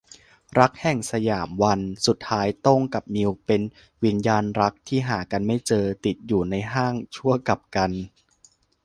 รักแห่งสยามวัน - สุดท้ายโต้งกับมิวเป็นวิญญาณรักที่หากันไม่เจอ ติดอยู่ในห้างชั่วกัปกัลป์